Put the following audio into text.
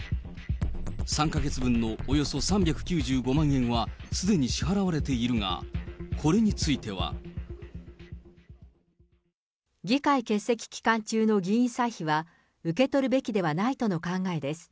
３か月分のおよそ３９５万円は、すでに支払われているが、これについては。議会欠席期間中の議員歳費は、受け取るべきではないとの考えです。